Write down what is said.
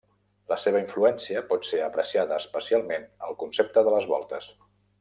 La seva influència pot ser apreciada, especialment, al concepte de les voltes.